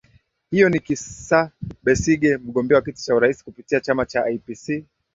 huyo ni kisa besiege mgombea wa kiti cha urais kupitia chama cha ipc